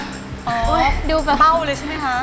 อ๋อเบ้าเลยใช่ไหมคะ